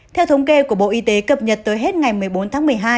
theo thống kê của bộ y tế cập nhật tới hết ngày một mươi bốn tháng một mươi hai